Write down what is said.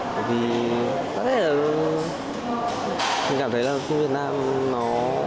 bởi vì tôi cảm thấy là phim việt nam nó